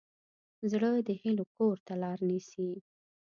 زړه د هیلو کور ته لار نیسي.